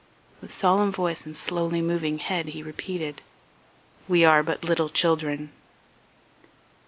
With solemn voice and slowly moving head he repeated: "We are but little children."